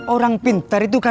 orang pintar itu kan